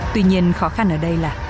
tuy nhiên khó khăn ở đây là